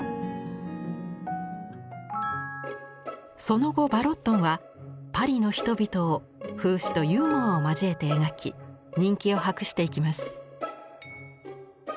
その後ヴァロットンはパリの人々を風刺とユーモアを交えて描き人気を博していきます。